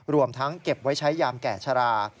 รวมทั้งเก็บไว้ใช้ยามแก่ชะลา